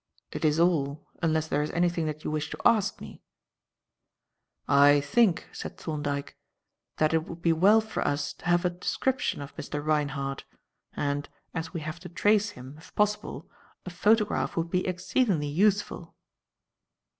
"It is all; unless there is anything that you wish to ask me." "I think," said Thorndyke, "that it would be well for us to have a description of Mr. Reinhardt; and, as we have to trace him, if possible, a photograph would be exceedingly useful."